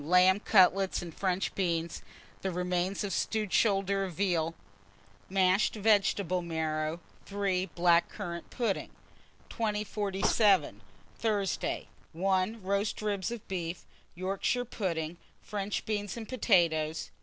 Lamb cutlets and French beans; the remains of stewed shoulder of veal, mashed vegetable marrow. 3. Black currant pudding. 2047. Thursday. 1. Roast ribs of beef, Yorkshire pudding, French beans and potatoes.